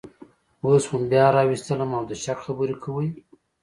اوس مو بیا راوستلم او د شک خبرې کوئ